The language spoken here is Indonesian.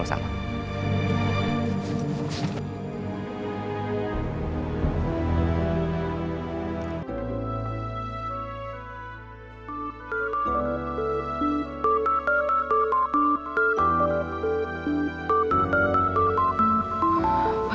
papa selamat mengembar